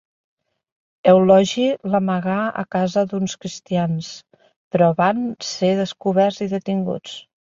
Eulogi l'amagà a casa d'uns cristians, però van ser descoberts i detinguts.